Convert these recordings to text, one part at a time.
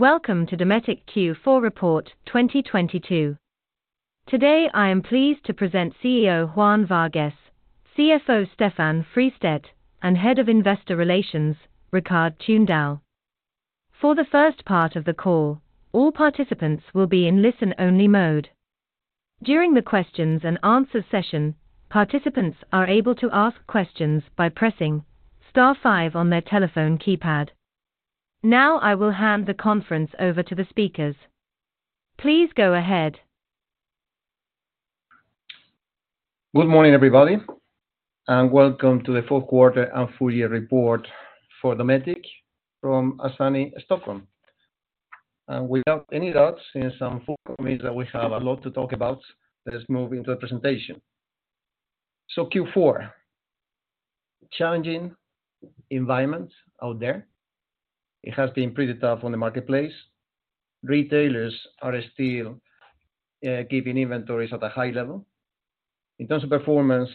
Welcome to Dometic Q4 Report 2022. Today, I am pleased to present CEO Juan Vargues, CFO Stefan Fristedt, and Head of Investor Relations, Rikard Tunedal. For the first part of the call, all participants will be in listen-only mode. During the questions and answers session, participants are able to ask questions by pressing star five on their telephone keypad. I will hand the conference over to the speakers. Please go ahead. Good morning, everybody, welcome to the fourth quarter and full year report for Dometic from a sunny Stockholm. Without any doubts, in some full committees that we have a lot to talk about, let us move into a presentation. Q4, challenging environment out there. It has been pretty tough on the marketplace. Retailers are still keeping inventories at a high level. In terms of performance,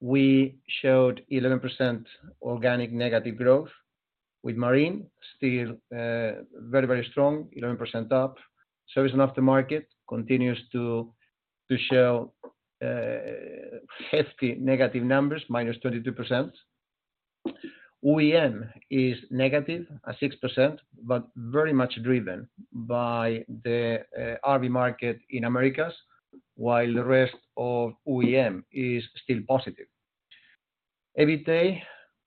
we showed 11% organic negative growth, with marine still very, very strong, 11% up. Service and Aftermarket continues to show hefty negative numbers, minus 22%. OEM is negative at 6%, but very much driven by the RV market in Americas, while the rest of OEM is still positive. EBITA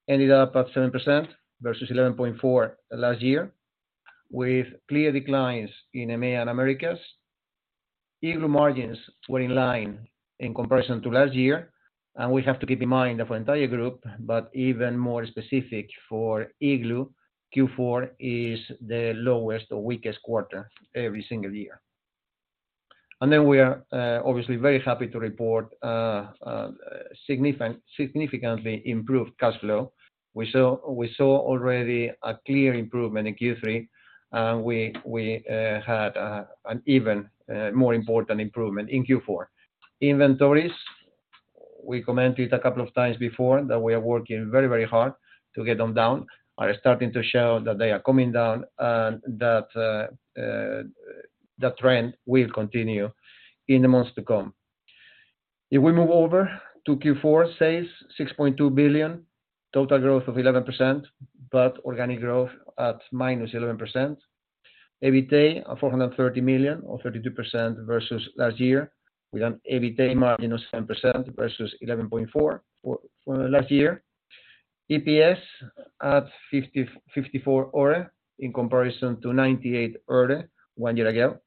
ended up at 7% versus 11.4 last year, with clear declines in EMEA and Americas. Igloo margins were in line in comparison to last year, and we have to keep in mind of entire group, but even more specific for Igloo, Q4 is the lowest or weakest quarter every single year. We are obviously very happy to report significantly improved cash flow. We saw already a clear improvement in Q3, and we had an even more important improvement in Q4. Inventories, we commented a couple of times before that we are working very, very hard to get them down, are starting to show that they are coming down, and that the trend will continue in the months to come. If we move over to Q4 sales, 6.2 billion, total growth of 11%, but organic growth at -11%. EBITA, 430 million or 32% versus last year. We got an EBITA margin of 7% versus 11.4% for the last year. EPS at 54 ore in comparison to 98 ore one year ago.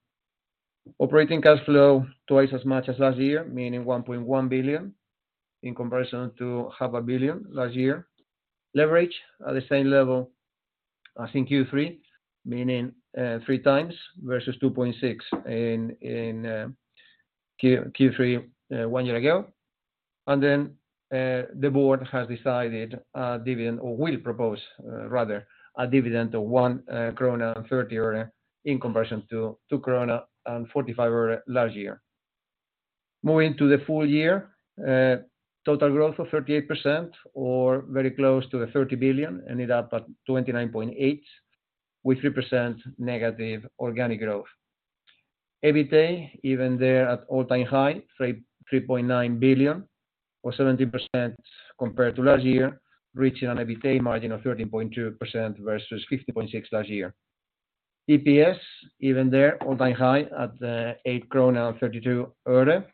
Operating cash flow, twice as much as last year, meaning 1.1 billion in comparison to half a billion last year. Leverage at the same level as in Q3, meaning three times versus 2.6 in Q3 one year ago. The board has decided a dividend or will propose rather a dividend of SEK 1.30 in comparison to SEK 2.45 last year. Moving to the full year, total growth of 38% or very close to the 30 billion, ended up at 29.8 billion with 3% negative organic growth. EBITA, even there at all-time high, 3.9 billion or 17% compared to last year, reaching an EBITA margin of 13.2% versus 15.6% last year. EPS, even there all-time high at 8.32 krona,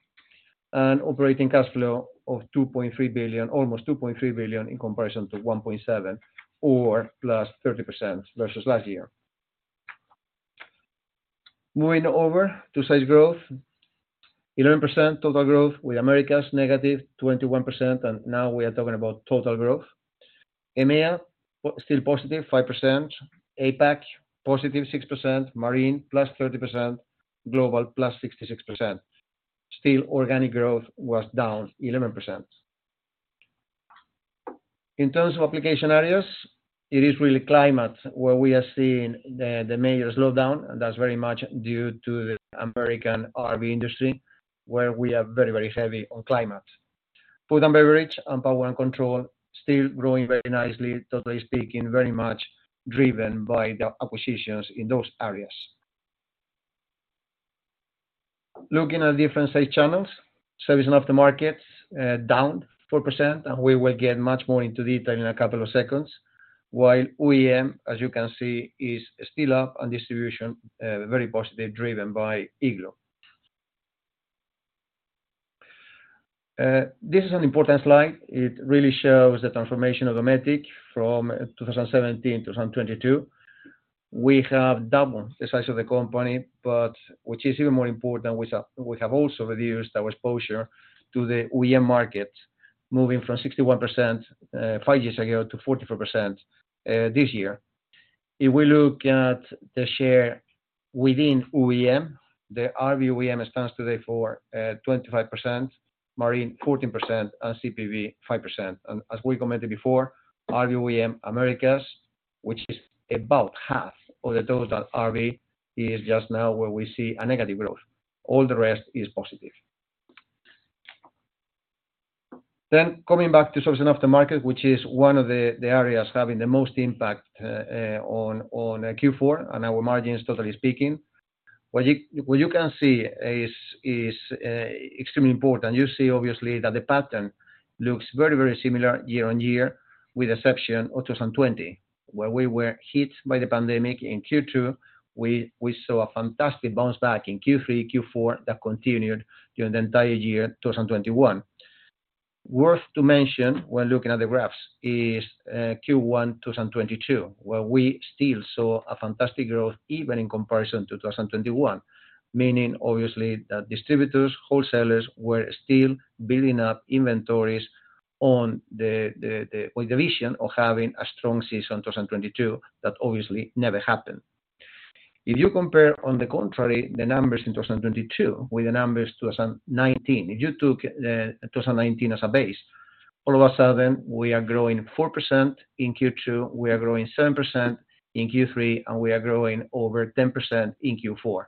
and operating cash flow of 2.3 billion, almost 2.3 billion in comparison to 1.7 billion or +30% versus last year. Moving over to sales growth, 11% total growth with Americas -21%, and now we are talking about total growth. EMEA still 5% positive. APAC 6% positive. Marine +30%. Global +66%. Still, organic growth was down 11%. In terms of application areas, it is really climate where we are seeing the major slowdown, and that's very much due to the American RV Industry, where we are very, very heavy on climate. Food and beverage and power and control still growing very nicely, totally speaking, very much driven by the acquisitions in those areas. Looking at different sales channels, Service and Aftermarket, down 4%, and we will get much more into detail in a couple of seconds. While OEM, as you can see, is still up, and distribution, very positive, driven by Igloo. This is an important slide. It really shows the transformation of Dometic from 2017 to 2022. We have doubled the size of the company, which is even more important, we have also reduced our exposure to the OEM market, moving from 61%, five years ago to 44% this year. If we look at the share within OEM, the RV OEM stands today for 25%, Marine 14%, and CPV 5%. As we commented before, RV OEM Americas, which is about half of the total RV, is just now where we see a negative growth. All the rest is positive. Coming back to Service and Aftermarket, which is one of the areas having the most impact on Q4 and our margins totally speaking. What you can see is extremely important. You see obviously that the pattern looks very, very similar year-on-year with exception of 2020, where we were hit by the pandemic in Q2, we saw a fantastic bounce back in Q3, Q4 that continued during the entire year, 2021. Worth to mention when looking at the graphs is Q1 2022, where we still saw a fantastic growth even in comparison to 2021. Meaning obviously that distributors, wholesalers were still building up inventories on the with the vision of having a strong season 2022, that obviously never happened. If you compare on the contrary, the numbers in 2022 with the numbers 2019, if you took 2019 as a base, all of a sudden we are growing 4% in Q2, we are growing 7% in Q3, we are growing over 10% in Q4.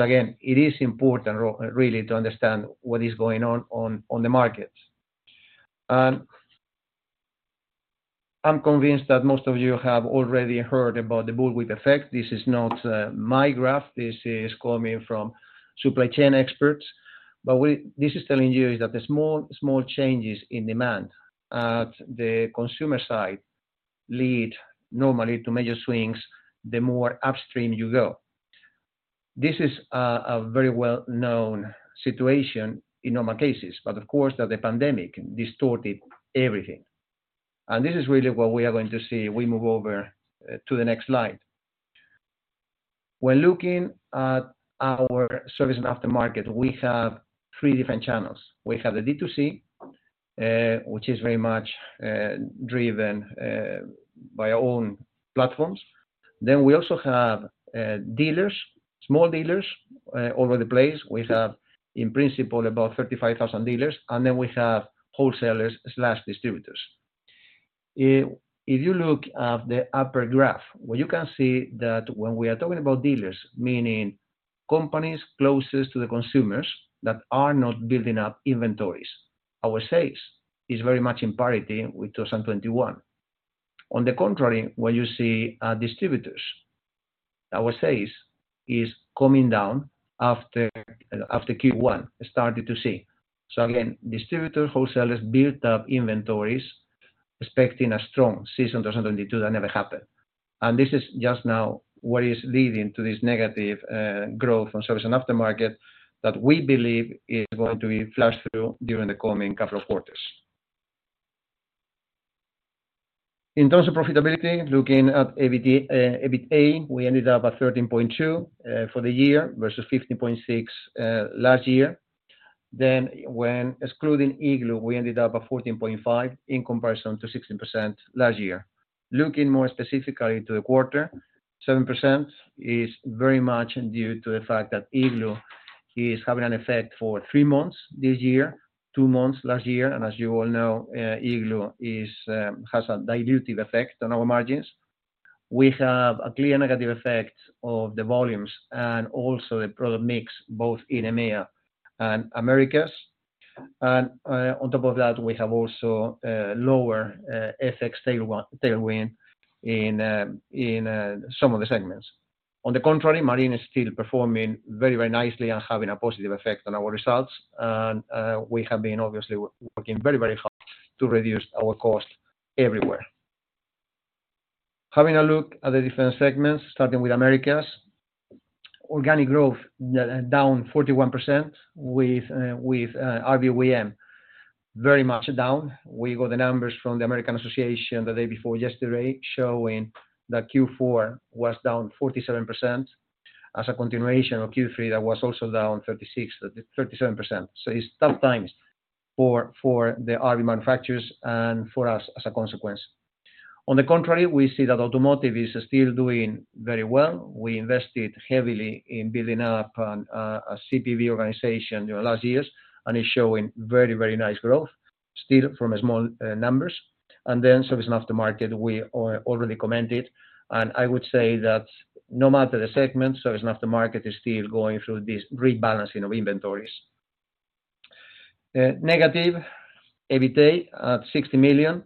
Again, it is important really to understand what is going on on the markets. I'm convinced that most of you have already heard about the bullwhip effect. This is not my graph. This is coming from supply chain experts. This is telling you is that the small changes in demand at the consumer side lead normally to major swings, the more upstream you go. This is a very well-known situation in normal cases, but of course, that the pandemic distorted everything. This is really what we are going to see we move over to the next slide. When looking at our Service and Aftermarket, we have three different channels. We have the D2C, which is very much driven by our own platforms. We also have dealers, small dealers, over the place. We have in principle about 35,000 dealers, and then we have wholesalers/distributors. If you look at the upper graph, where you can see that when we are talking about dealers, meaning companies closest to the consumers that are not building up inventories, our sales is very much in parity with 2021. On the contrary, when you see distributors, our sales is coming down after Q1, started to see. Again, distributors, wholesalers built up inventories expecting a strong season 2022 that never happened. This is just now what is leading to this negative growth on Service and Aftermarket that we believe is going to be flushed through during the coming couple of quarters. In terms of profitability, looking at EBITA, we ended up at 13.2% for the year versus 15.6% last year. When excluding Igloo, we ended up at 14.5% in comparison to 16% last year. Looking more specifically to the quarter, 7% is very much due to the fact that Igloo is having an effect for three months this year, two months last year. As you all know, Igloo is has a dilutive effect on our margins. We have a clear negative effect of the volumes and also the product mix both in EMEA and Americas. On top of that, we have also lower FX tailwind in some of the segments. On the contrary, marine is still performing very, very nicely and having a positive effect on our results. We have been obviously working very, very hard to reduce our cost everywhere. Having a look at the different segments, starting with Americas. Organic growth down 41% with RV OEM very much down. We got the numbers from the RV Industry Association the day before yesterday showing that Q4 was down 47% as a continuation of Q3 that was also down 36%-37%. It's tough times for the RV manufacturers and for us as a consequence. On the contrary, we see that automotive is still doing very well. We invested heavily in building up a CPV organization during the last years, and it's showing very, very nice growth still from small numbers. Then service and aftermarket we already commented. I would say that no matter the segment, service and aftermarket is still going through this rebalancing of inventories. Negative EBITDA at 60 million,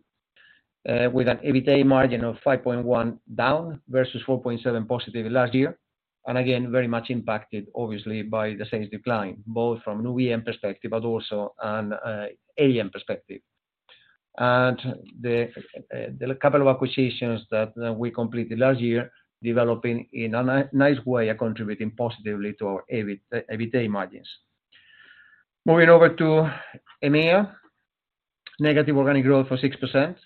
with an EBITDA margin of 5.1% down versus 4.7% positive last year. Again, very much impacted obviously by the sales decline, both from an OEM perspective, but also an AM perspective. The couple of acquisitions that we completed last year developing in a nice way are contributing positively to our EBIT EBITDA margins. Moving over to EMEA. Negative organic growth of 6%.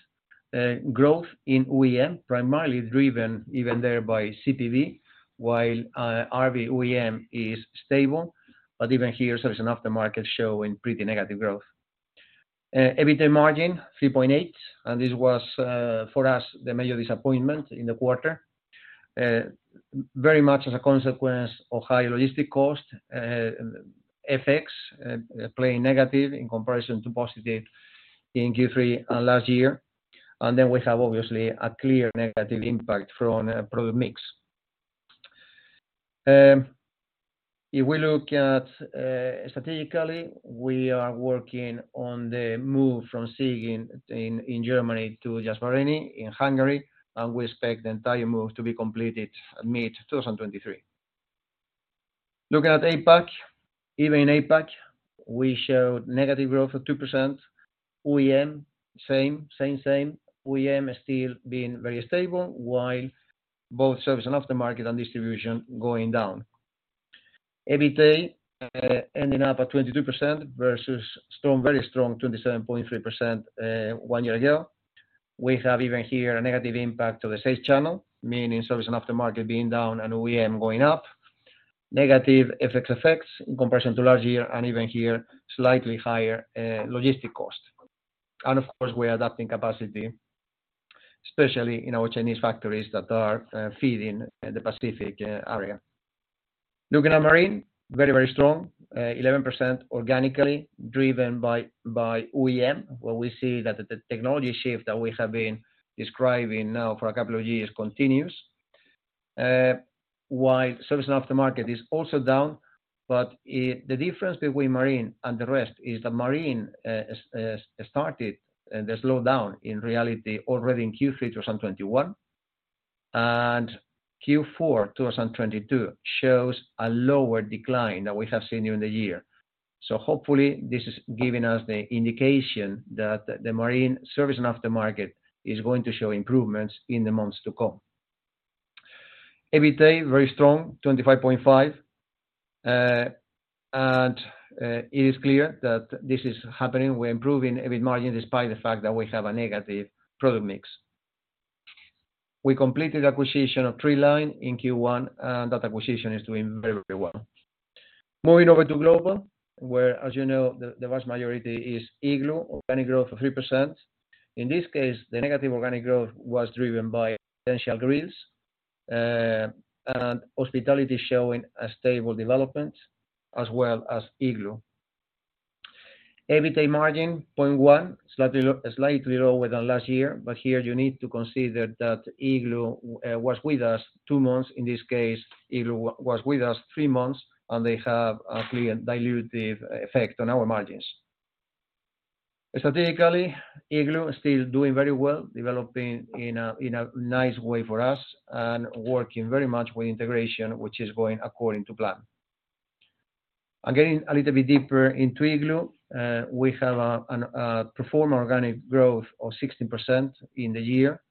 Growth in OEM primarily driven even there by CPV, while RV OEM is stable, but even here Service and Aftermarket showing pretty negative growth. EBITDA margin 3.8%, this was for us, the major disappointment in the quarter. Very much as a consequence of high logistic cost, FX playing negative in comparison to positive in Q3 and last year. Then we have obviously a clear negative impact from product mix. If we look at strategically, we are working on the move from Siegen in Germany to Jászberény in Hungary, and we expect the entire move to be completed mid-2023. Looking at APAC. Even in APAC, we showed negative growth of 2%. OEM, same, same. OEM is still being very stable, while both Service and Aftermarket and distribution going down. EBITA, ending up at 22% versus strong 27.3%, one year ago. We have even here a negative impact to the Service and Aftermarket, meaning Service and Aftermarket being down and OEM going up. Negative FX effects in comparison to last year and even here, slightly higher logistics cost. Of course, we're adapting capacity, especially in our Chinese factories that are feeding the Pacific area. Looking at Marine, very strong 11% organically driven by OEM, where we see that the technology shift that we have been describing now for a couple of years continues. While Service and Aftermarket is also down, but the difference between Marine and the rest is that Marine started the slowdown, in reality, already in Q3 2021. Q4 2022 shows a lower decline than we have seen during the year. Hopefully this is giving us the indication that the Marine Service and Aftermarket is going to show improvements in the months to come. EBITA, very strong, 25.5%. It is clear that this is happening. We're improving EBIT margin despite the fact that we have a negative product mix. We completed acquisition of Treeline in Q1, and that acquisition is doing very, very well. Moving over to Global, where, as you know, the vast majority is Igloo, organic growth of 3%. In this case, the negative organic growth was driven by Residential and hospitality showing a stable development as well as Igloo. EBITA margin 0.1%, slightly lower than last year. Here you need to consider that Igloo was with us two months, in this case, Igloo was with us three months, and they have a clear dilutive effect on our margins. Strategically, Igloo is still doing very well, developing in a nice way for us and working very much with integration, which is going according to plan. Getting a little bit deeper into Igloo, we have a performer organic growth of 16% in the year.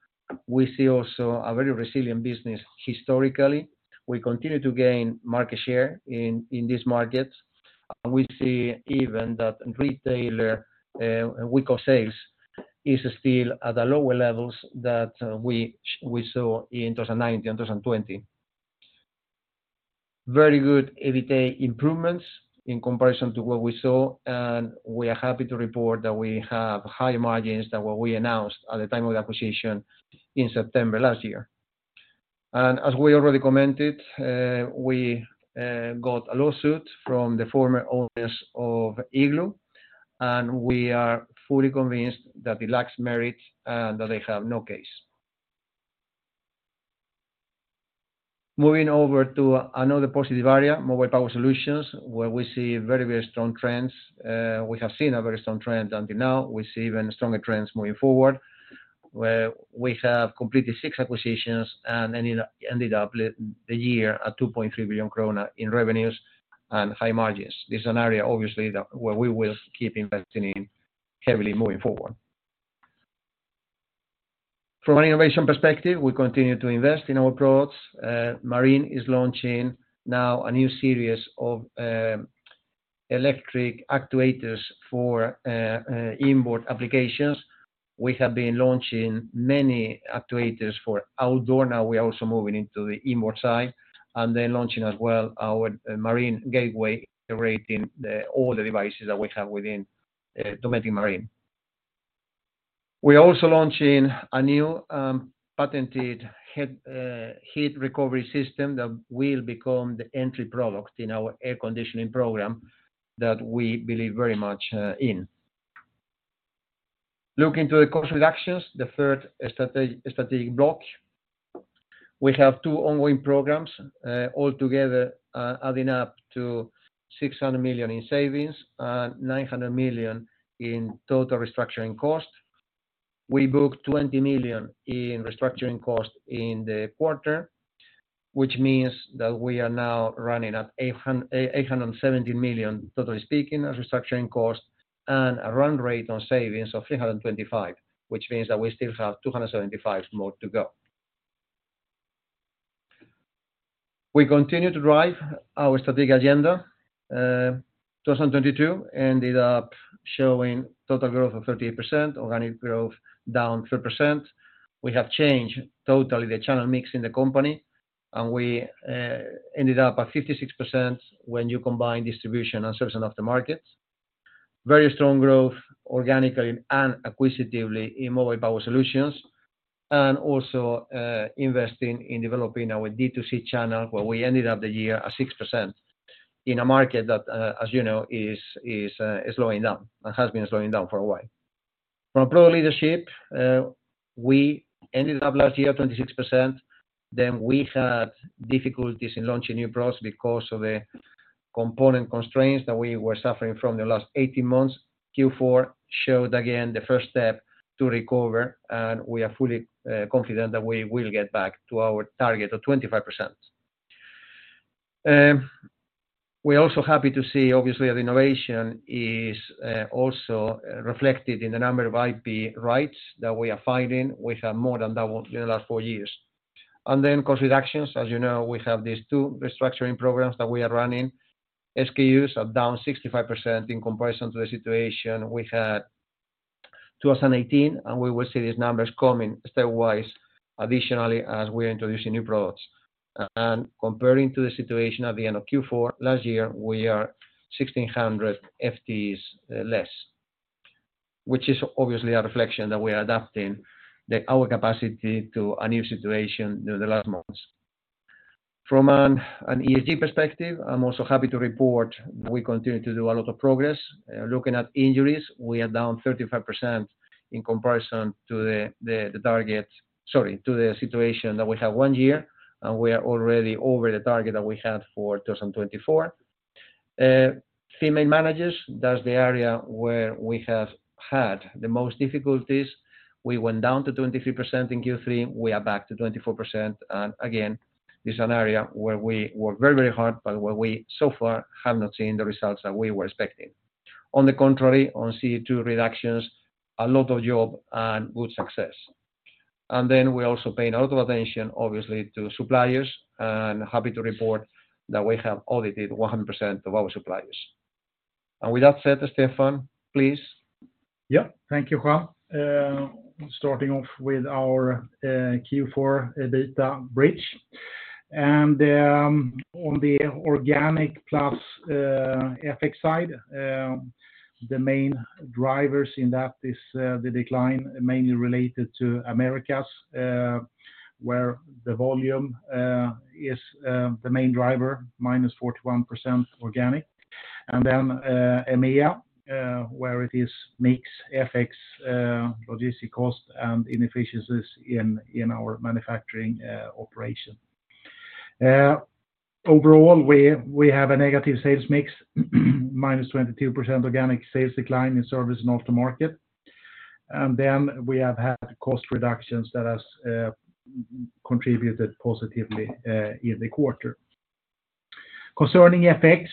We see also a very resilient business historically. We continue to gain market share in these markets. We see even that retailer week of sales is still at the lower levels that we saw in 2019, 2020. Very good EBITA improvements in comparison to what we saw, and we are happy to report that we have higher margins than what we announced at the time of the acquisition in September last year. As we already commented, we got a lawsuit from the former owners of Igloo, and we are fully convinced that it lacks merit and that they have no case. Moving over to another positive area, Mobile Power Solutions, where we see very, very strong trends. We have seen a very strong trend until now. We see even stronger trends moving forward, where we have completed six acquisitions and ended up the year at 2.3 billion krona in revenues and high margins. This is an area, obviously, that where we will keep investing in heavily moving forward. From an innovation perspective, we continue to invest in our products. Marine is launching now a new series of electric actuators for inboard applications. We have been launching many actuators for outdoor. We're also moving into the inboard side and then launching as well our Marine Gateway integrating all the devices that we have within Dometic Marine. We're also launching a new patented heat recovery system that will become the entry product in our air conditioning program that we believe very much in. Looking to the cost reductions, the third strategic block. We have two ongoing programs all together adding up to 600 million in savings and 900 million in total restructuring costs. We booked 20 million in restructuring costs in the quarter, which means that we are now running at 870 million, totally speaking, as restructuring costs and a run rate on savings of 325, which means that we still have 275 more to go. We continue to drive our strategic agenda. 2022 ended up showing total growth of 38%, organic growth down 3%. We have changed totally the channel mix in the company, and we ended up at 56% when you combine distribution and Service and Aftermarket. Very strong growth organically and acquisitively in Mobile Power Solutions, and also investing in developing our D2C channel, where we ended up the year at 6% in a market that, as you know, is slowing down and has been slowing down for a while. From product leadership, we ended up last year at 26%. We had difficulties in launching new products because of the component constraints that we were suffering from the last 18 months. Q4 showed again the first step to recover, and we are fully confident that we will get back to our target of 25%. We're also happy to see obviously that innovation is also reflected in the number of IP rights that we are filing, which are more than double in the last 4 years. Cost reductions, as you know, we have these two restructuring programs that we are running. SKUs are down 65% in comparison to the situation we had 2018, and we will see these numbers coming stepwise additionally as we are introducing new products. Comparing to the situation at the end of Q4 last year, we are 1,600 FTEs less, which is obviously a reflection that we are adapting our capacity to a new situation during the last months. From an ESG perspective, I'm also happy to report that we continue to do a lot of progress. Looking at injuries, we are down 35% in comparison to the target, sorry, to the situation that we had one year, and we are already over the target that we had for 2024. Female managers, that's the area where we have had the most difficulties. We went down to 23% in Q3. We are back to 24%. Again, this is an area where we work very, very hard, but where we so far have not seen the results that we were expecting. On the contrary, on CO2 reductions, a lot of job and good success. We're also paying a lot of attention, obviously, to suppliers, and happy to report that we have audited 100% of our suppliers. With that said, Stefan, please. Yeah. Thank you, Juan. Starting off with our Q4 EBITDA bridge. On the organic plus FX side, the main drivers in that is the decline mainly related to Americas, where the volume is the main driver, -41% organic. EMEA, where it is mix FX, logistic cost and inefficiencies in our manufacturing operation. Overall, we have a negative sales mix, -22% organic sales decline in Service and Aftermarket. We have had cost reductions that has contributed positively in the quarter. Concerning FX,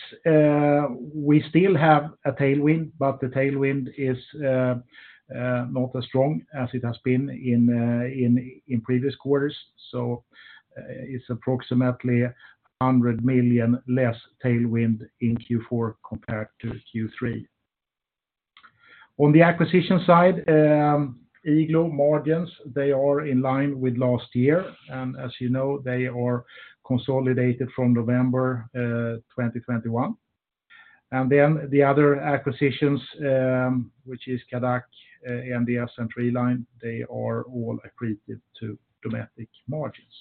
we still have a tailwind, but the tailwind is not as strong as it has been in previous quarters. It's approximately 100 million less tailwind in Q4 compared to Q3. On the acquisition side, Igloo margins, they are in line with last year. As you know, they are consolidated from November 2021. The other acquisitions, which is Cadac, MDF, and Treeline, they are all accretive to Dometic margins.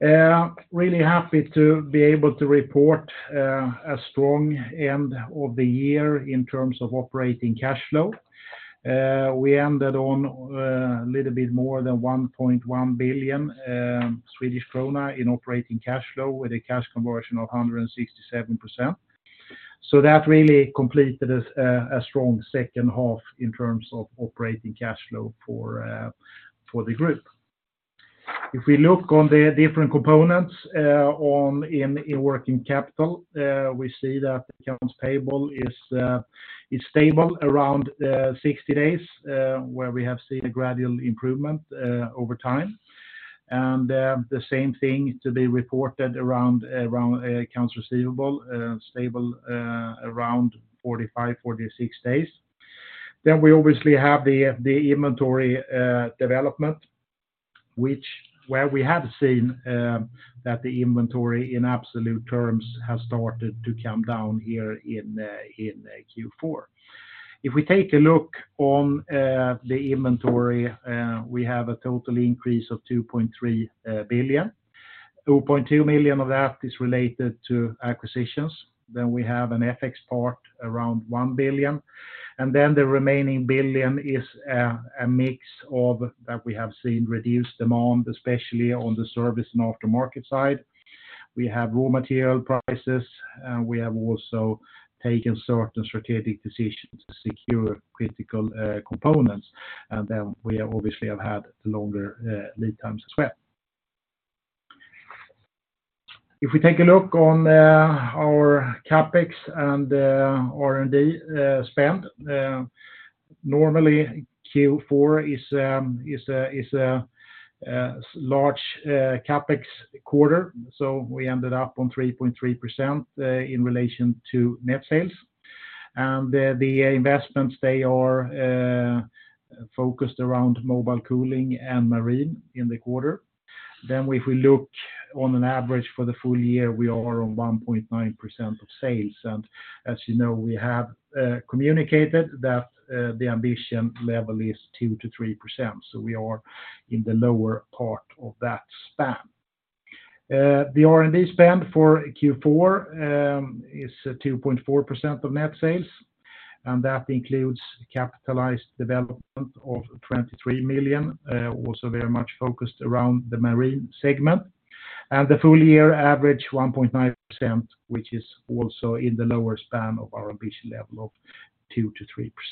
Really happy to be able to report a strong end of the year in terms of operating cash flow. We ended on a little bit more than 1.1 billion Swedish krona in operating cash flow with a cash conversion of 167%. That really completed a strong second half in terms of operating cash flow for the group. If we look on the different components in working capital, we see that accounts payable is stable around 60 days, where we have seen a gradual improvement over time. The same thing to be reported around accounts receivable, stable around 45, 46 days. We obviously have the inventory development, which where we have seen that the inventory in absolute terms has started to come down here in Q4. If we take a look on the inventory, we have a total increase of 2.3 billion. 2.2 million of that is related to acquisitions. We have an FX part around 1 billion. The remaining 1 billion is a mix of that we have seen reduced demand, especially on the Service and Aftermarket side. We have raw material prices, and we have also taken certain strategic decisions to secure critical components. We obviously have had longer lead times as well. If we take a look on our CapEx and R&D spend, normally Q4 is a large CapEx quarter. We ended up on 3.3% in relation to net sales. The investments, they are focused around Mobile Cooling and Marine in the quarter. If we look on an average for the full year, we are on 1.9% of sales. As you know, we have communicated that the ambition level is 2%-3%, so we are in the lower part of that span. The R&D spend for Q4 is 2.4% of net sales, and that includes capitalized development of 23 million, also very much focused around the marine segment. The full year average 1.9%, which is also in the lower span of our ambition level of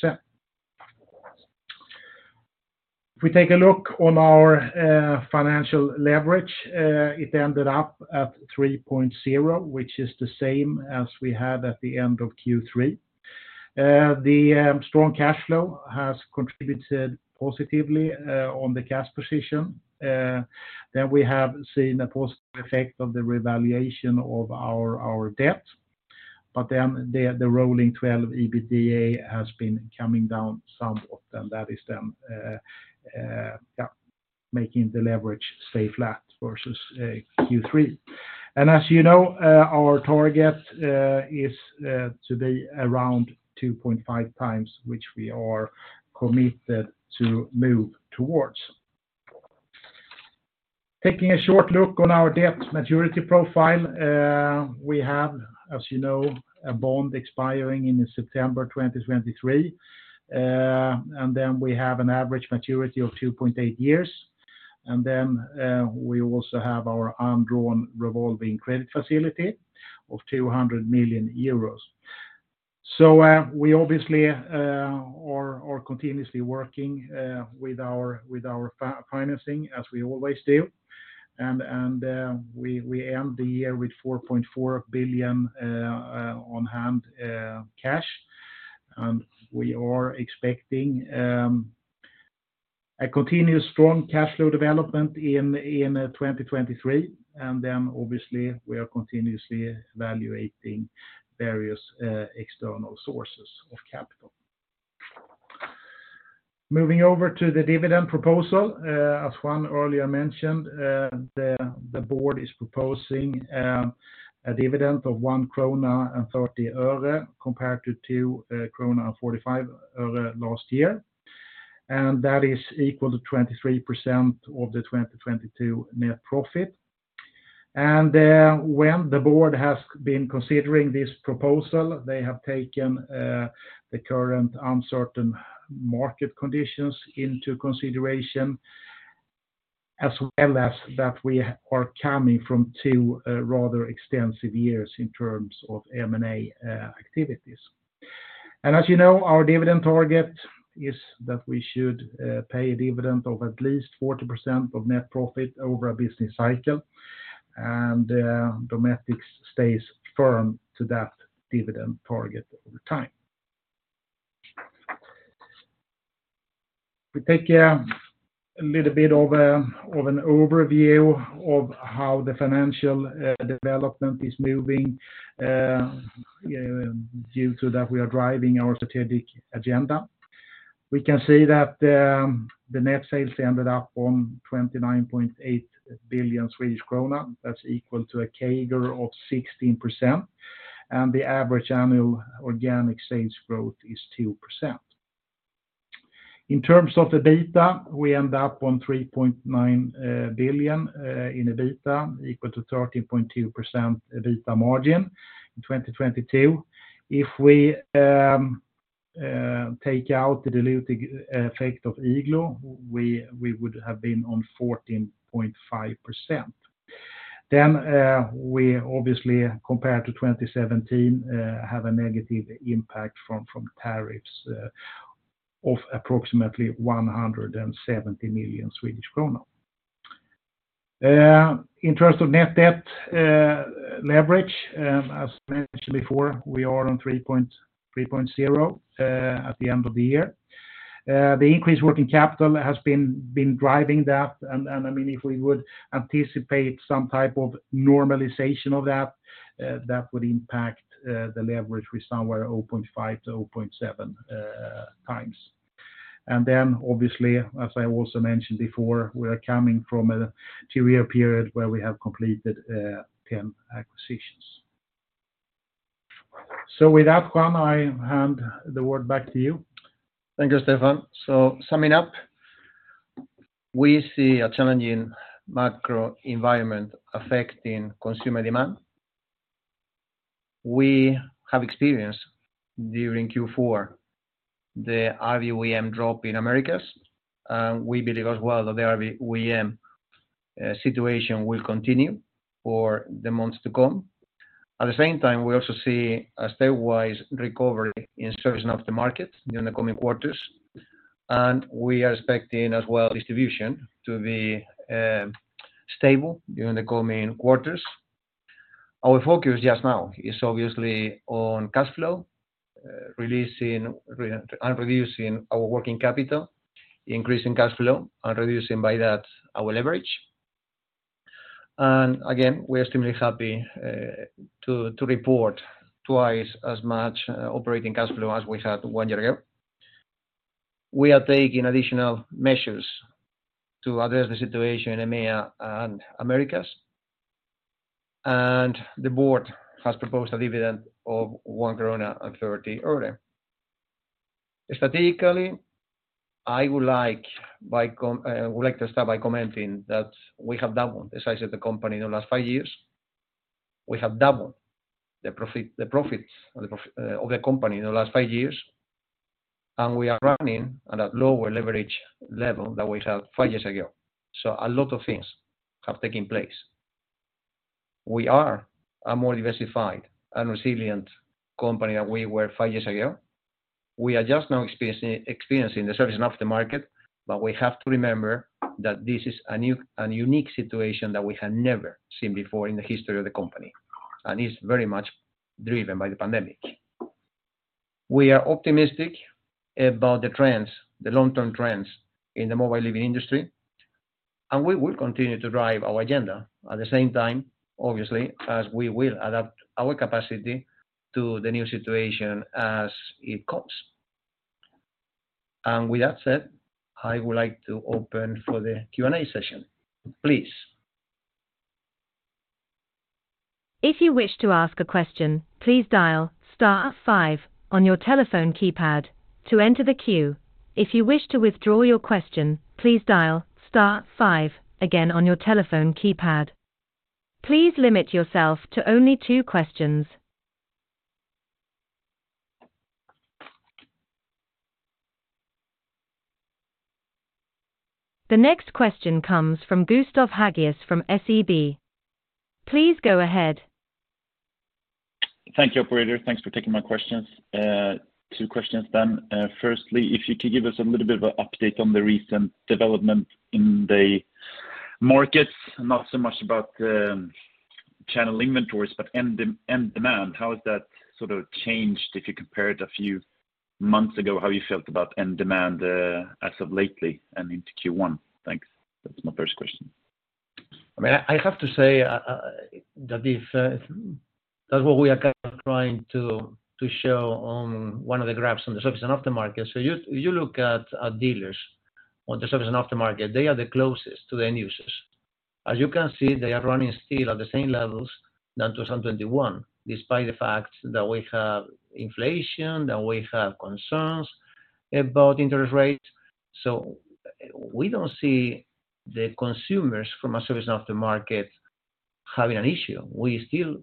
2%-3%. If we take a look on our financial leverage, it ended up at 3.0, which is the same as we had at the end of Q3. The strong cash flow has contributed positively on the cash position. We have seen a positive effect of the revaluation of our debt. The rolling 12 EBITDA has been coming down somewhat, and that is then making the leverage stay flat versus Q3. As you know, our target is to be around 2.5 times, which we are committed to move towards. Taking a short look on our debt maturity profile, we have, as you know, a bond expiring in September 2023. We have an average maturity of 2.8 years. We also have our undrawn revolving credit facility of 200 million euros. We obviously are continuously working with our financing, as we always do. We end the year with 4.4 billion on hand cash. We are expecting a continuous strong cash flow development in 2023. Obviously, we are continuously evaluating various external sources of capital. Moving over to the dividend proposal, as Juan earlier mentioned, the board is proposing a dividend of SEK 1.30 compared to SEK 2.45 last year. That is equal to 23% of the 2022 net profit. When the board has been considering this proposal, they have taken the current uncertain market conditions into consideration, as well as that we are coming from two rather extensive years in terms of M&A activities. As you know, our dividend target is that we should pay a dividend of at least 40% of net profit over a business cycle. Dometic stays firm to that dividend target over time. We take a little bit of an overview of how the financial development is moving due to that we are driving our strategic agenda. We can see that the net sales ended up on 29.8 billion Swedish krona. That's equal to a CAGR of 16%, and the average annual organic sales growth is 2%. In terms of the EBITDA, we end up on 3.9 billion in EBITDA, equal to 13.2% EBITDA margin in 2022. If we take out the diluting effect of Igloo, we would have been on 14.5%. We obviously, compared to 2017, have a negative impact from tariffs of approximately SEK 170 million. In terms of net debt leverage, as mentioned before, we are on 3.0 at the end of the year. The increased working capital has been driving that. I mean, if we would anticipate some type of normalization of that would impact the leverage with somewhere 0.5-0.7 times. Obviously, as I also mentioned before, we are coming from a two year period where we have completed 10 acquisitions. With that, Juan, I hand the word back to you. Thank you, Stefan. Summing up, we see a challenging macro environment affecting consumer demand. We have experienced during Q4 the RV OEM drop in Americas. We believe as well that the RV OEM situation will continue for the months to come. At the same time, we also see a stepwise recovery in Service and Aftermarket during the coming quarters, we are expecting as well distribution to be stable during the coming quarters. Our focus just now is obviously on cash flow, reducing our working capital, increasing cash flow, and reducing by that our leverage. Again, we are extremely happy to report twice as much operating cash flow as we had one year ago. We are taking additional measures to address the situation in EMEA and Americas. The board has proposed a dividend of 1.30. Strategically, I would like to start by commenting that we have doubled the size of the company in the last 5 years. We have doubled the profits of the company in the last five years, and we are running at a lower leverage level than we had five years ago. A lot of things have taken place. We are a more diversified and resilient company than we were five years ago. We are just now experiencing the Service and Aftermarket, but we have to remember that this is a new and unique situation that we have never seen before in the history of the company, and it's very much driven by the pandemic. We are optimistic about the trends, the long-term trends in the Mobile Living industry, and we will continue to drive our agenda. At the same time, obviously, as we will adapt our capacity to the new situation as it comes. With that said, I would like to open for the Q&A session, please. If you wish to ask a question, please dial star five on your telephone keypad to enter the queue. If you wish to withdraw your question, please dial star five again on your telephone keypad. Please limit yourself to only two questions. The next question comes from Gustav Hagius from SEB. Please go ahead. Thank you, operator. Thanks for taking my questions. Two questions then. Firstly, if you could give us a little bit of an update on the recent development in the markets, not so much about the channel inventories, but end demand. How has that sort of changed if you compare it a few months ago, how you felt about end demand, as of lately and into Q1? Thanks. That's my first question. I mean, I have to say, that this, that's what we are kind of trying to show on one of the graphs on the Service and Aftermarket. You look at dealers on the Service and Aftermarket, they are the closest to the end users. As you can see, they are running still at the same levels than 2021, despite the fact that we have inflation, that we have concerns about interest rates. We don't see the consumers from a Service and Aftermarket having an issue. We still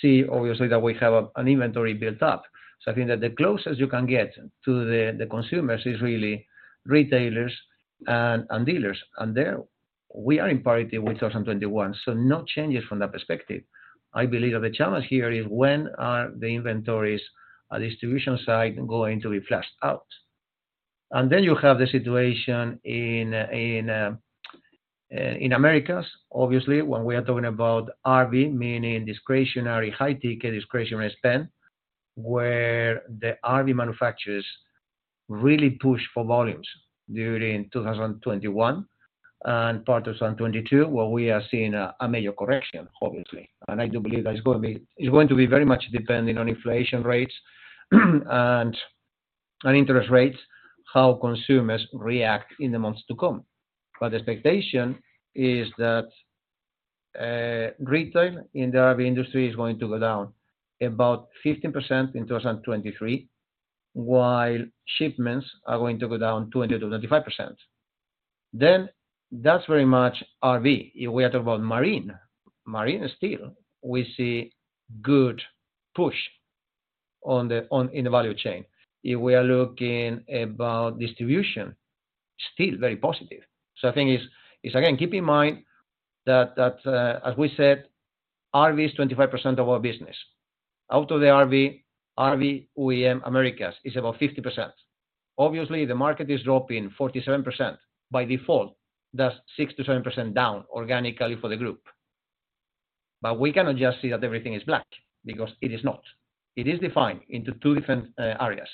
see obviously that we have an inventory built up. I think that the closest you can get to the consumers is really retailers and dealers. There we are in parity with 2021, so no changes from that perspective. I believe the challenge here is when are the inventories at distribution side going to be flushed out? You have the situation in Americas, obviously, when we are talking about RV, meaning discretionary high ticket, discretionary spend, where the RV manufacturers really pushed for volumes during 2021 and part of 2022, where we are seeing a major correction, obviously. I do believe that it's going to be very much dependent on inflation rates and interest rates, how consumers react in the months to come. The expectation is that retail in the RV industry is going to go down about 15% in 2023, while shipments are going to go down 20%-25%. That's very much RV. We are talking about Marine still we see good push on, in the value chain. We are looking about distribution, still very positive. I think it's again, keep in mind that, as we said, RV is 25% of our business. Out of the RV OEM Americas is about 50%. Obviously, the market is dropping 47%. By default, that's 6%-10% down organically for the group. We cannot just say that everything is black because it is not. It is defined into two different areas.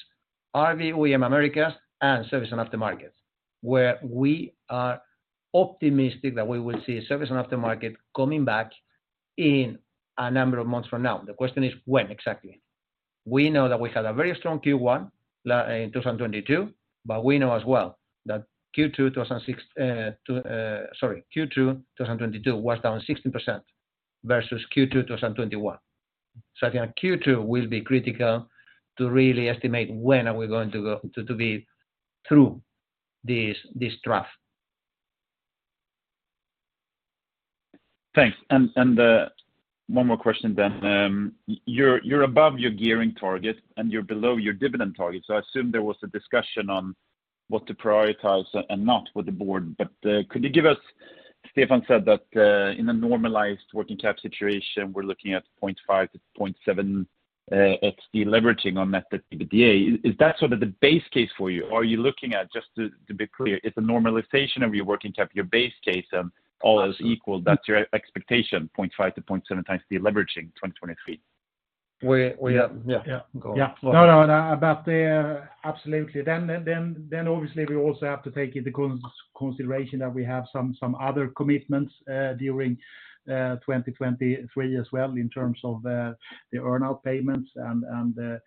RV OEM Americas and Service and Aftermarket, where we are optimistic that we will see Service and Aftermarket coming back in a number of months from now. The question is when exactly. We know that we had a very strong Q1 in 2022, we know as well that Q2 2022 was down 16% versus Q2 2021. I think Q2 will be critical to really estimate when are we going to go to be through this trough. Thanks. One more question then. I assume there was a discussion on what to prioritize and not with the board. Could you give us. Stefan said that, in a normalized working cap situation, we're looking at 0.5 to 0.7 XD leveraging on method EBITDA. Is that sort of the base case for you? Are you looking at, just to be clear, is the normalization of your working cap your base case and all else equal, that's your expectation, 0.5-0.7 times the leveraging 2023? We, we- Yeah, yeah. Yeah. Go on. No, no. About the... Absolutely. Obviously we also have to take into consideration that we have some other commitments during 2023 as well in terms of the earn-out payments and,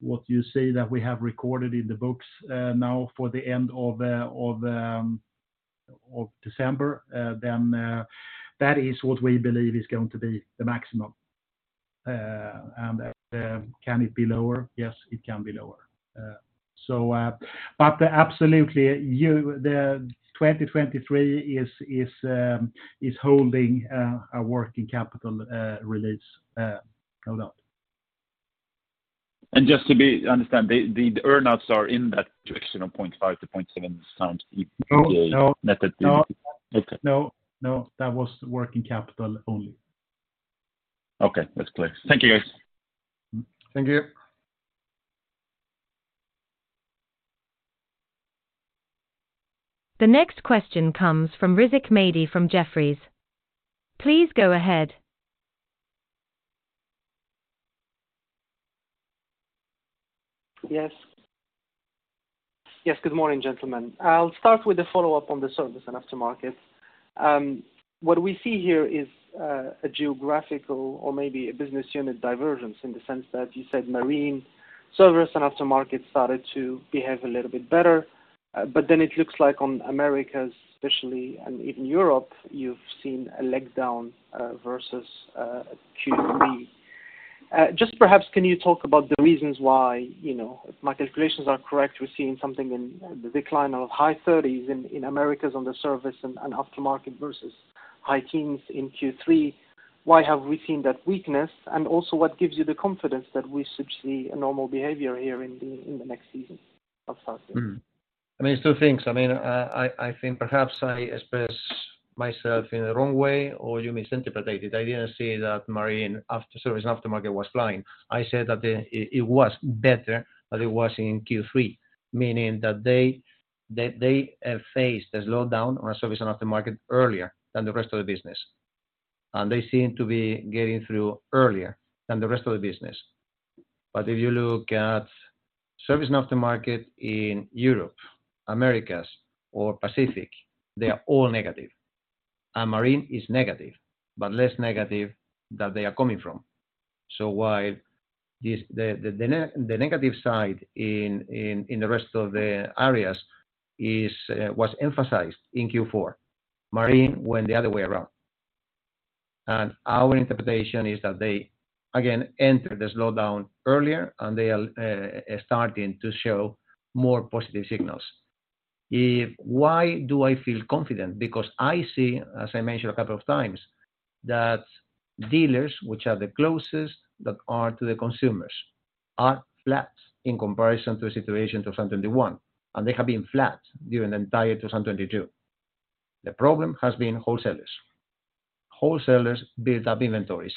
what you see that we have recorded in the books now for the end of December, then that is what we believe is going to be the maximum. That, can it be lower? Yes, it can be lower. Absolutely, the 2023 is holding a working capital release, no doubt. Just to be understand, the earn-outs are in that direction of 0.5-0.7 sounds EPS. No, no. net at the. No, no. That was working capital only. Okay, that's clear. Thank you, guys. Thank you. The next question comes from Rizk Maidi from Jefferies. Please go ahead. Yes. Yes, good morning, gentlemen. I'll start with the follow-up on the Service and Aftermarket. What we see here is a geographical or maybe a business unit divergence in the sense that you said Marine Service and Aftermarket started to behave a little bit better. It looks like on Americas especially and even Europe, you've seen a leg down versus Q3. Just perhaps can you talk about the reasons why? You know, if my calculations are correct, we're seeing something in the decline of high 30s in Americas on the Service and Aftermarket versus high teens in Q3. Why have we seen that weakness? What gives you the confidence that we should see a normal behavior here in the next season of fall. I mean, two things. I mean, I think perhaps I expressed myself in the wrong way or you misinterpreted. I didn't say that Service and Aftermarket was flying. I said that it was better than it was in Q3, meaning that they faced a slowdown on Service and Aftermarket earlier than the rest of the business, and they seem to be getting through earlier than the rest of the business. If you look at Service and Aftermarket in Europe, Americas, or Pacific, they are all negative, and marine is negative, but less negative that they are coming from. While the negative side in the rest of the areas was emphasized in Q4, marine went the other way around. Our interpretation is that they again enter the slowdown earlier, and they are starting to show more positive signals. Why do I feel confident? Because I see, as I mentioned a couple of times, that dealers, which are the closest that are to the consumers, are flat in comparison to a situation of 2021, and they have been flat during the entire 2022. The problem has been wholesalers. Wholesalers build up inventories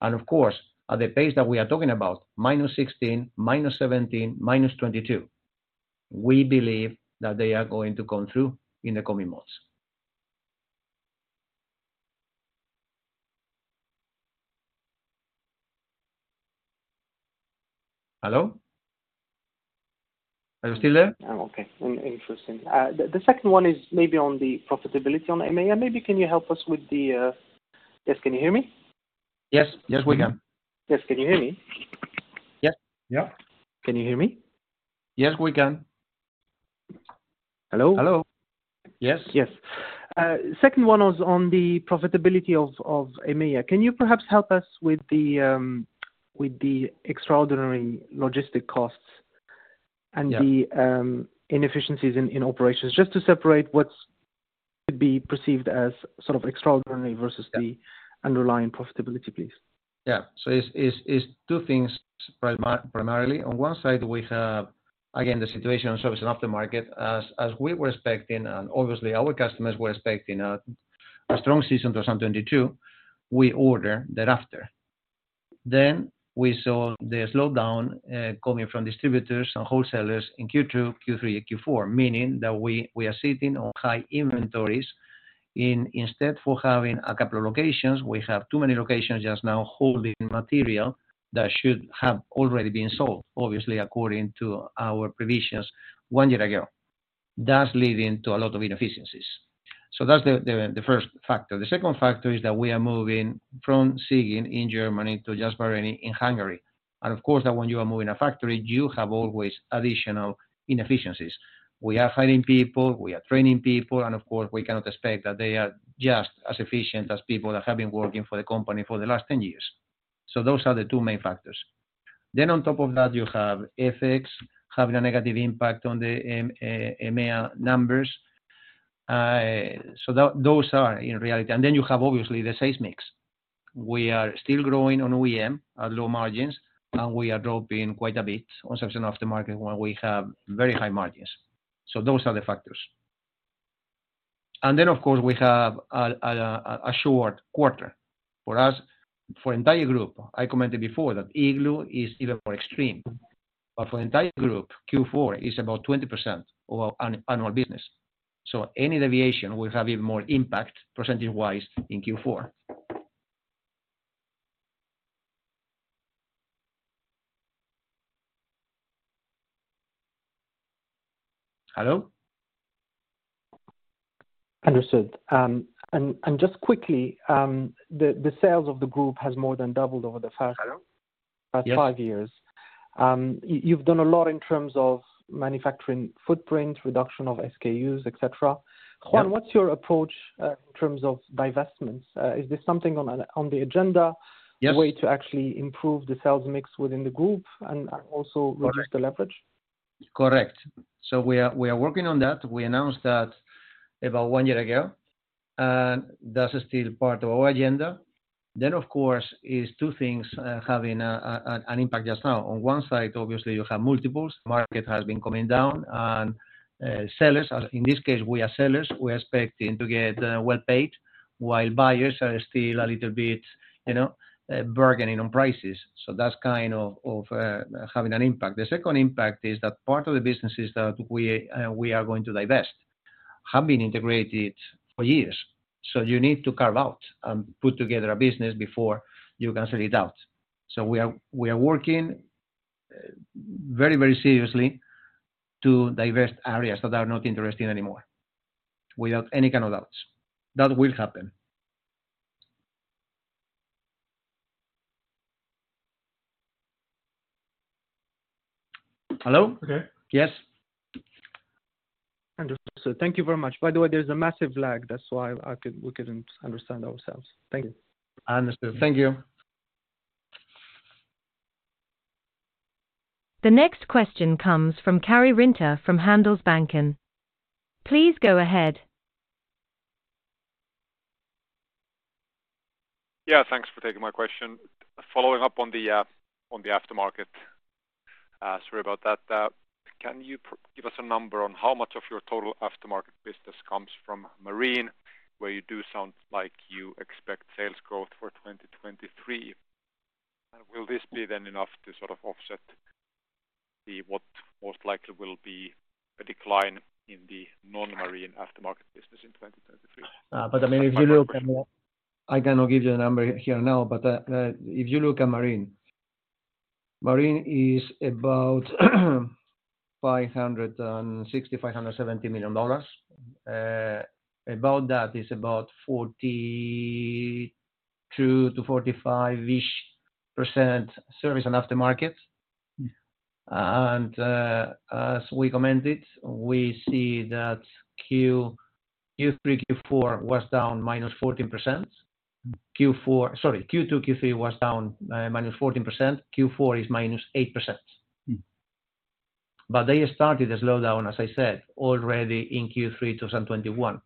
and of course, at the pace that we are talking about -16%, -17%, -22%, we believe that they are going to come through in the coming months. Hello? Are you still there? I'm okay. Interesting. The second one is maybe on the profitability on EMEA. Maybe can you help us with the. Yes, can you hear me? Yes. Yes, we can. Yes, can you hear me? Yes. Yeah. Can you hear me? Yes, we can. Hello? Hello. Yes. Yes. Second one was on the profitability of EMEA. Can you perhaps help us with the extraordinary logistic costs... Yeah. -and the inefficiencies in operations? Just to separate what's could be perceived as sort of extraordinary versus- Yeah. the underlying profitability, please. Yeah. It's two things primarily. On one side, we have again, the situation on Service and Aftermarket. As we were expecting, and obviously our customers were expecting a strong season 2022, we order thereafter. We saw the slowdown coming from distributors and wholesalers in Q2, Q3, and Q4, meaning that we are sitting on high inventories in instead for having a couple locations, we have too many locations just now holding material that should have already been sold, obviously according to our provisions one year ago. That's leading to a lot of inefficiencies. That's the first factor. The second factor is that we are moving from Siegen in Germany to Jászberény in Hungary. Of course, that when you are moving a factory, you have always additional inefficiencies. We are hiring people, we are training people, of course we cannot expect that they are just as efficient as people that have been working for the company for the last 10 years. Those are the two main factors. On top of that, you have FX having a negative impact on the EMEA numbers. Those are in reality. You have obviously the size mix. We are still growing on OEM at low margins, and we are dropping quite a bit on Service and Aftermarket where we have very high margins. Those are the factors. Of course we have a short quarter. For us, for entire Group, I commented before that Igloo is even more extreme. For the entire group, Q4 is about 20% of our annual business. Any deviation will have even more impact percentage-wise in Q4. Hello? Understood. just quickly, the sales of the group has more than doubled over the first. Hello? About five years. You've done a lot in terms of manufacturing footprint, reduction of SKUs, et cetera. Yeah. Juan, what's your approach, in terms of divestments? Is this something on the agenda? Yes ...a way to actually improve the sales mix within the group and also reduce the leverage? Correct. We are working on that. We announced that about one year ago, and that's still part of our agenda. Of course, is two things having an impact just now. On one side, obviously you have multiples. Market has been coming down. Sellers, in this case, we are sellers. We're expecting to get well-paid while buyers are still a little bit, you know, bargaining on prices. That's kind of having an impact. The second impact is that part of the businesses that we are going to divest have been integrated for years. You need to carve out and put together a business before you can sell it out. We are working very seriously to divest areas that are not interesting anymore. Without any kind of doubts, that will happen. Hello? Okay. Yes. Understood. Thank you very much. By the way, there's a massive lag. That's why we couldn't understand ourselves. Thank you. I understood. Thank you. The next question comes from Kari Rinta from Handelsbanken. Please go ahead. Yeah, thanks for taking my question. Following up on the on the aftermarket. Sorry about that. can you give us a number on how much of your total aftermarket business comes from marine, where you do sound like you expect sales growth for 2023? Will this be then enough to sort of offset the what most likely will be a decline in the non-marine aftermarket business in 2023? I mean, if youlook at... I cannot give you a number here now, if you look at marine is about $560 million-$570 million. About that is about 42%-45%-ish Service and Aftermarket. Mm-hmm. As we commented, we see that Q3, Q4 was down minus 14%. Sorry, Q2, Q3 was down minus 14%. Q4 is minus 8%. Mm-hmm. They started the slowdown, as I said, already in Q3 2021.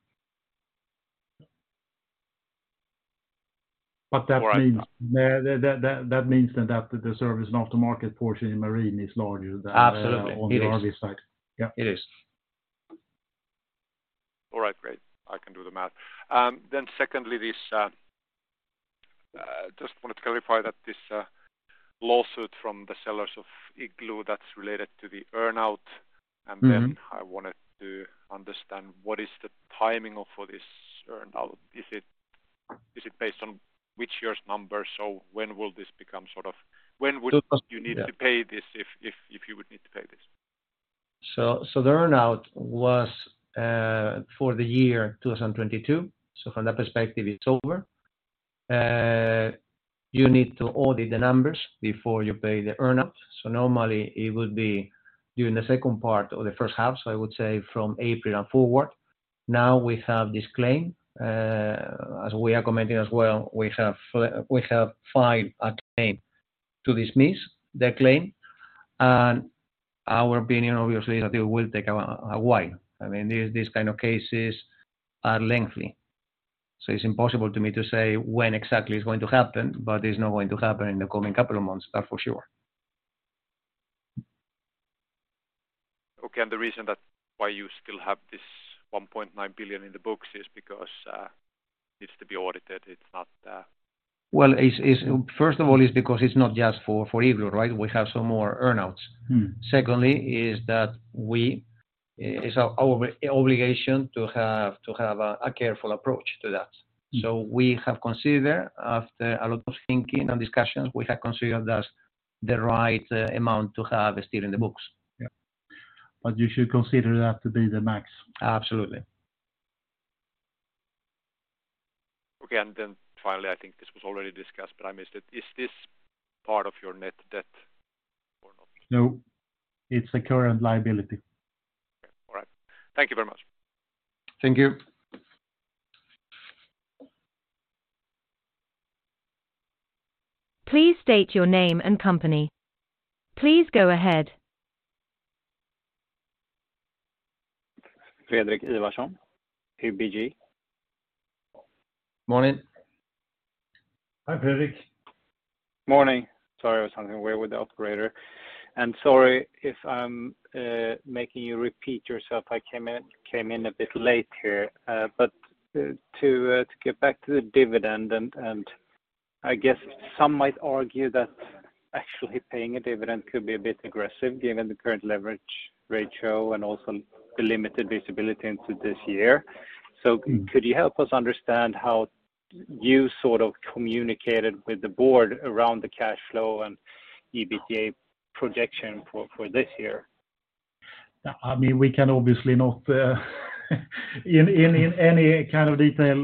That. All right. That means then that the Service and Aftermarket portion in Marine is larger than- Absolutely. It is on the RV side. Yeah. It is. All right, great. I can do the math. Secondly, this just wanted to clarify that this lawsuit from the sellers of Igloo that's related to the earn-out. Mm-hmm. I wanted to understand what is the timing of, for this earn-out? Is it based on which year's numbers? When will this become sort of... So the- You need to pay this if you would need to pay this? The earn-out was for the year 2022. From that perspective, it's over. You need to audit the numbers before you pay the earn-out. Normally it would be during the second part or the first half, so I would say from April and forward. Now we have this claim, as we are commenting as well, we have filed a claim to dismiss their claim. Our opinion, obviously, that it will take a while. I mean, these kind of cases are lengthy, so it's impossible to me to say when exactly it's going to happen, but it's not going to happen in the coming couple of months, that's for sure. Okay. The reason that why you still have this 1.9 billion SEK in the books is because it needs to be audited. It's not, Well, it's First of all, it's because it's not just for Igloo, right? We have some more earn-outs. Mm-hmm. Secondly is that it's our obligation to have a careful approach to that. Mm-hmm. We have considered, after a lot of thinking and discussions, we have considered that the right amount to have is still in the books. Yeah. You should consider that to be the max? Absolutely. Okay. Finally, I think this was already discussed, but I missed it. Is this part of your net debt or not? No. It's a current liability. Okay. All right. Thank you very much. Thank you. Please state your name and company. Please go ahead. Fredrik Ivarsson, ABG. Morning. Hi, Fredrik. Morning. Sorry, there was something weird with the operator. Sorry if I'm making you repeat yourself. I came in a bit late here. But to get back to the dividend and I guess some might argue that actually paying a dividend could be a bit aggressive given the current leverage ratio and also the limited visibility into this year. Could you help us understand how you sort of communicated with the board around the cash flow and EBITDA projection for this year? I mean, we can obviously not in any kind of detail,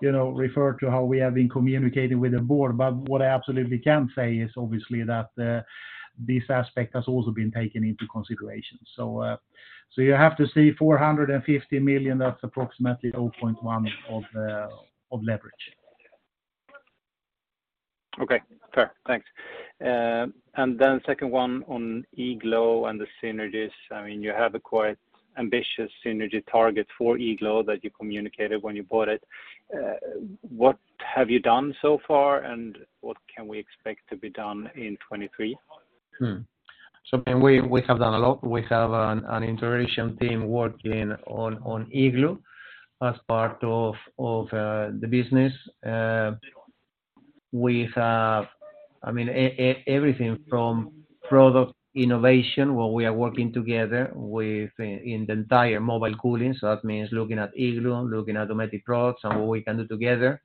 you know, refer to how we have been communicating with the board. What I absolutely can say is obviously that, this aspect has also been taken into consideration. You have to see 450 million, that's approximately 0.1 of leverage. Okay. Fair. Thanks. Then second one on Igloo and the synergies. I mean, you have a quite ambitious synergy target for Igloo that you communicated when you bought it. What have you done so far, and what can we expect to be done in 2023? I mean, we have done a lot. We have an integration team working on Igloo as part of the business. I mean, everything from product innovation, where we are working together with in the entire Mobile Cooling, so that means looking at Igloo, looking at Dometic products and what we can do together.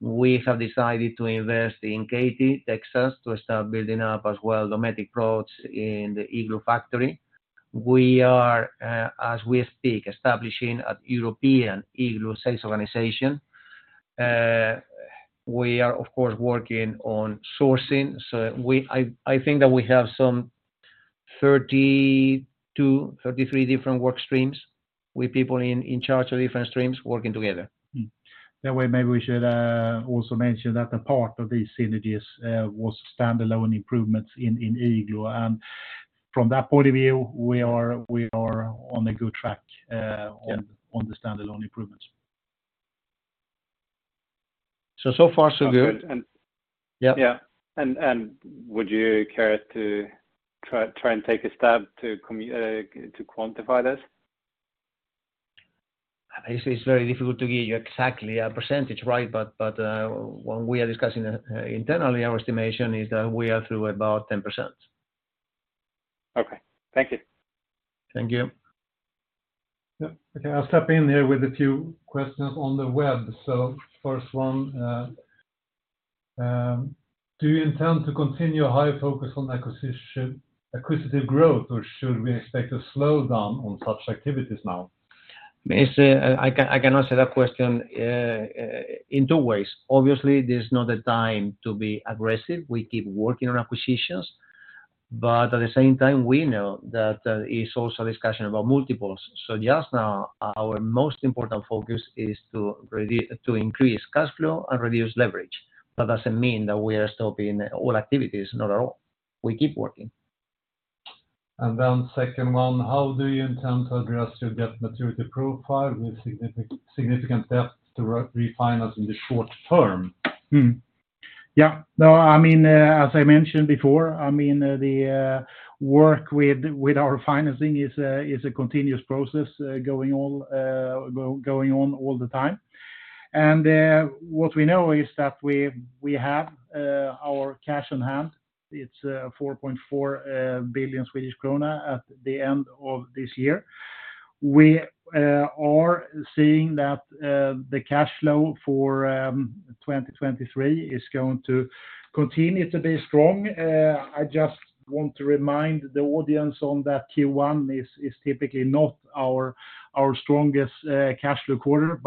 We have decided to invest in Katy, Texas, to start building up as well Dometic products in the Igloo factory. We are, as we speak, establishing a European Igloo sales organization. We are of course working on sourcing. I think that we have some 32, 33 different work streams with people in charge of different streams working together. That way maybe we should also mention that a part of these synergies was standalone improvements in Igloo. From that point of view, we are, we are on a good track. Yeah on the standalone improvements. So far so good. Okay. Yeah. Yeah. Would you care to try and take a stab to quantify this? It's very difficult to give you exactly a percentage, right? When we are discussing internally, our estimation is that we are through about 10%. Okay. Thank you. Thank you. Yeah. Okay. I'll step in here with a few questions on the web. First one, do you intend to continue a high focus on acquisition, acquisitive growth, or should we expect a slowdown on such activities now? I can answer that question in two ways. Obviously, this is not the time to be aggressive. We keep working on acquisitions. At the same time, we know that it's also a discussion about multiples. Just now, our most important focus is to increase cash flow and reduce leverage. That doesn't mean that we are stopping all activities. Not at all. We keep working. Second one, how do you intend to address your debt maturity profile with significant steps to re-refinance in the short term? No, I mean, as I mentioned before, the work with our financing is a continuous process, going on all the time. What we know is that we have our cash on hand. It's 4.4 billion Swedish krona at the end of this year. We are seeing that the cash flow for 2023 is going to continue to be strong. I just want to remind the audience on that Q1 is typically not our strongest cash flow quarter.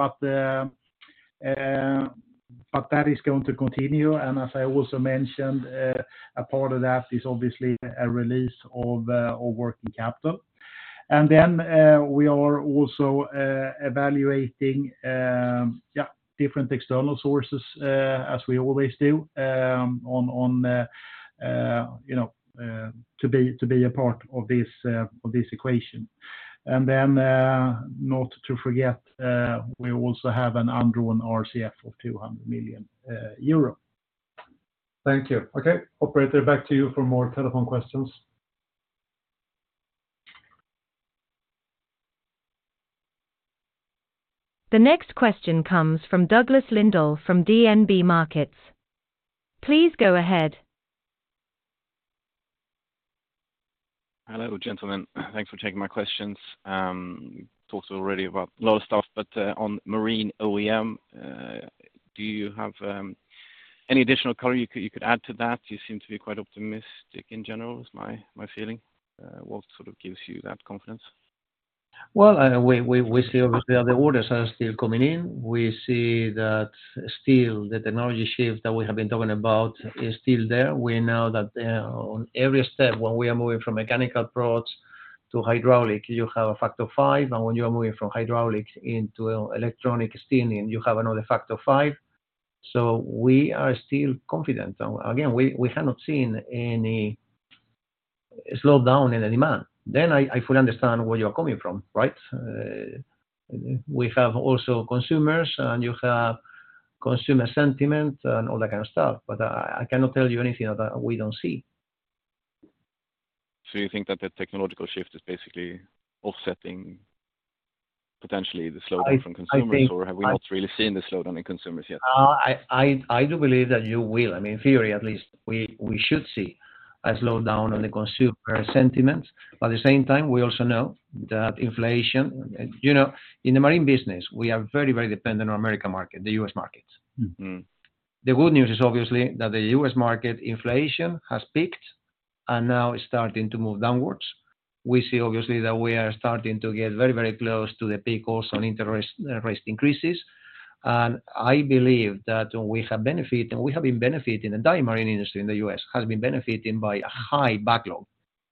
That is going to continue. As I also mentioned, a part of that is obviously a release of working capital. We are also evaluating different external sources, as we always do, you know, to be a part of this equation. Not to forget, we also have an undrawn RCF of 200 million euro. Thank you. Okay. Operator, back to you for more telephone questions. The next question comes from Douglas Lindahl from DNB Markets. Please go ahead. Hello, gentlemen. Thanks for taking my questions. You talked already about a lot of stuff, but on Marine OEM, do you have any additional color you could add to that? You seem to be quite optimistic in general, is my feeling. What sort of gives you that confidence? Well, we see obviously that the orders are still coming in. We see that still the technology shift that we have been talking about is still there. We know that, on every step when we are moving from mechanical products to hydraulic, you have a factor of five, and when you are moving from hydraulics into electronic steering, you have another factor of five. We are still confident. Again, we have not seen any slowdown in the demand. I fully understand where you're coming from, right? We have also consumers, and you have consumer sentiment and all that kind of stuff, but I cannot tell you anything that we don't see. You think that the technological shift is basically offsetting potentially the slowdown from consumers? I think- Have we not really seen the slowdown in consumers yet? I do believe that you will. I mean, in theory at least, we should see a slowdown on the consumer sentiment. At the same time, we also know that inflation. You know, in the marine business, we are very dependent on American market, the U.S. markets. Mm-hmm. The good news is obviously that the U.S. market inflation has peaked and now is starting to move downwards. We see obviously that we are starting to get very, very close to the peak also in interest rate increases. I believe that we have been benefiting, the marine industry in the U.S. has been benefiting by a high backlog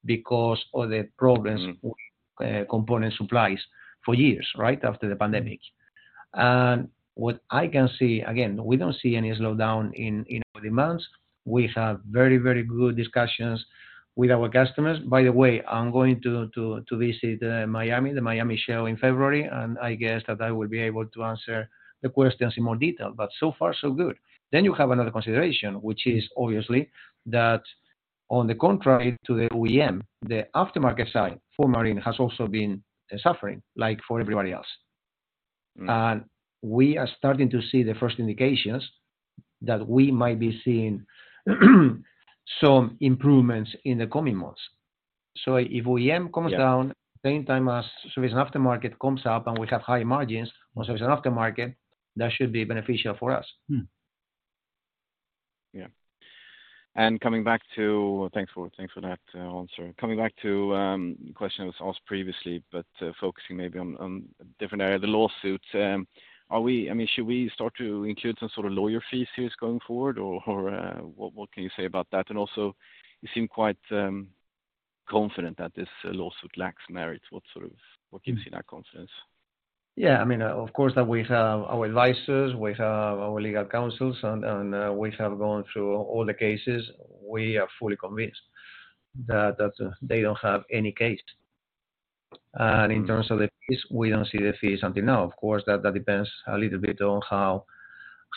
because of the problems with component supplies for years, right? After the pandemic. What I can see, again, we don't see any slowdown in demands. We have very, very good discussions with our customers. By the way, I'm going to visit Miami, the Miami Show in February, and I guess that I will be able to answer the questions in more detail, but so far so good. You have another consideration, which is obviously that on the contrary to the OEM, the aftermarket side for marine has also been suffering like for everybody else. Mm-hmm. We are starting to see the first indications that we might be seeing some improvements in the coming months. If OEM Yeah. Down same time as Service and Aftermarket comes up and we have high margins on Service and Aftermarket. That should be beneficial for us. Yeah. Thanks for that answer. Coming back to, question that was asked previously, but, focusing maybe on different area, the lawsuits? I mean, should we start to include some sort of lawyer fees here going forward? Or, what can you say about that? Also you seem quite, confident that this lawsuit lacks merit. What gives you that confidence? Yeah, I mean, of course that we have our advisors, we have our legal counsels and, we have gone through all the cases. We are fully convinced that they don't have any case. In terms of the fees, we don't see the fees until now. Of course, that depends a little bit on how,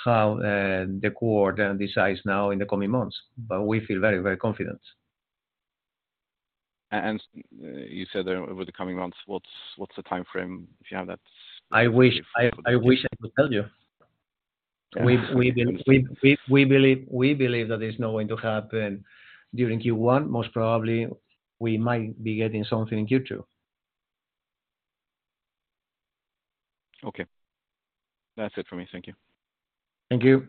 the court, decides now in the coming months. We feel very, very confident. You said over the coming months, what's the timeframe, if you have that? I wish I could tell you. We believe that it's not going to happen during Q1. Most probably we might be getting something in Q2. Okay. That's it for me. Thank you. Thank you.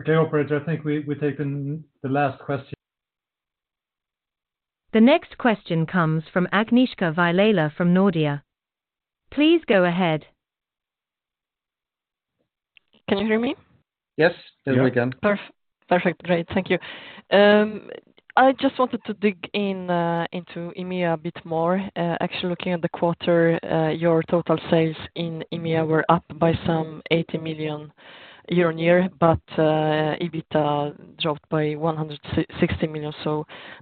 Okay. Operator, I think we've taken the last question. The next question comes from Agnieszka Vilela from Nordea. Please go ahead. Can you hear me? Yes. Yeah. Yes, we can. Perfect. Great. Thank you. I just wanted to dig in into EMEA a bit more. Actually looking at the quarter, your total sales in EMEA were up by some 80 million year-on-year, but EBITDA dropped by 160 million.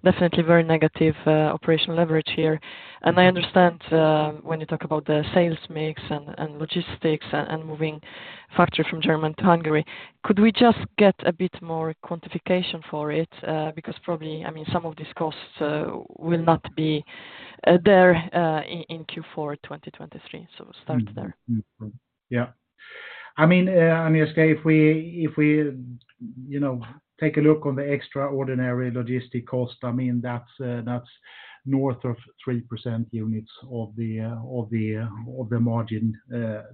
Definitely very negative operational leverage here. I understand when you talk about the sales mix and logistics and moving factory from Germany to Hungary. Could we just get a bit more quantification for it? Because probably, I mean, some of these costs will not be there in Q4 2023. Start there. Agnieszka Vilela, if we take a look on the extraordinary logistic cost, that's north of 3% units of the margin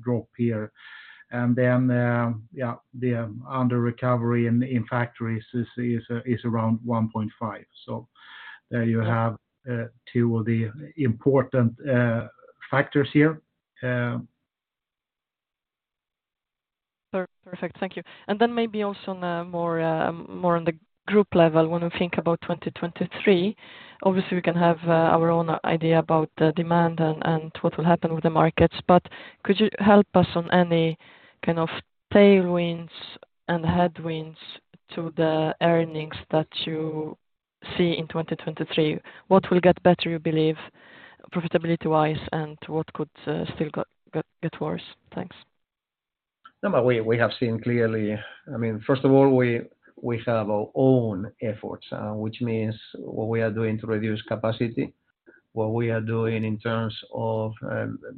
drop here. The under recovery in factories is around 1.5%. There you have two of the important factors here. Perfect. Thank you. Then maybe also on a more, more on the group level when we think about 2023. Obviously we can have our own idea about the demand and what will happen with the markets. Could you help us on any kind of tailwinds and headwinds to the earnings that you see in 2023? What will get better you believe profitability-wise and what could still get worse? Thanks. We have seen clearly. I mean, first of all, we have our own efforts, which means what we are doing to reduce capacity, what we are doing in terms of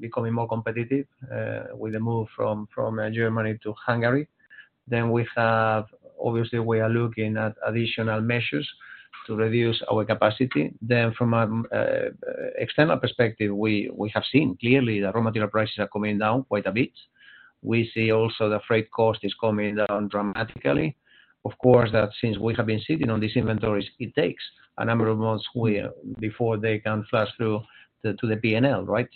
becoming more competitive, with the move from Germany to Hungary. We have, obviously we are looking at additional measures to reduce our capacity. From a external perspective, we have seen clearly the raw material prices are coming down quite a bit. We see also the freight cost is coming down dramatically. Of course, that since we have been sitting on these inventories, it takes a number of months before they can flush through the, to the P&L, right?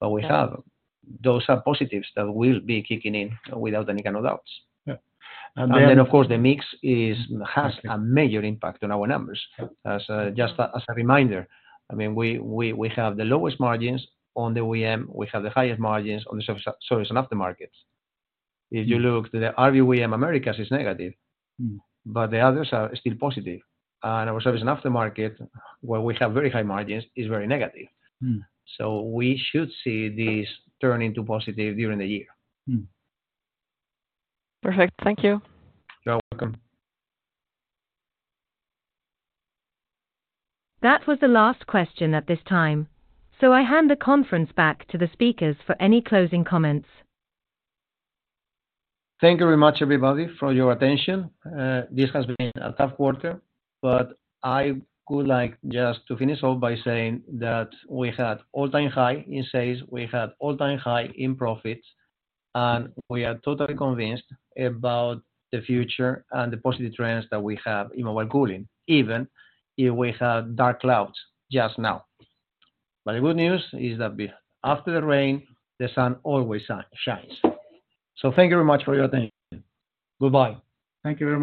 Those are positives that will be kicking in without any kind of doubts. Yeah. Of course the mix is, has a major impact on our numbers. As just as a reminder, I mean, we have the lowest margins on the OEM. We have the highest margins on the Service and Aftermarket. If you look, the RV OEM Americas is negative. Mm-hmm. The others are still positive. Our Service and Aftermarket, where we have very high margins, is very negative. Mm-hmm. We should see this turn into positive during the year. Mm-hmm. Perfect. Thank you. You're welcome. That was the last question at this time, so I hand the conference back to the speakers for any closing comments. Thank you very much everybody for your attention. This has been a tough quarter, I would like just to finish off by saying that we had all-time high in sales, we had all-time high in profits, and we are totally convinced about the future and the positive trends that we have in Mobile Cooling, even if we have dark clouds just now. The good news is that after the rain, the sun always shines. Thank you very much for your attention. Goodbye. Thank you very much.